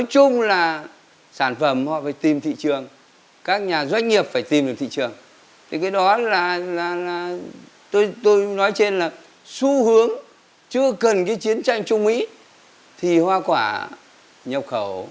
trước khi chúng ta có thể tìm được thị trường lớn là trung quốc